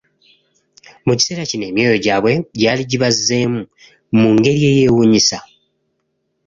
Mu kiseera kino emyoyo gyabwe gyali gibazzeemu mu ngeri eyeewuunyisa.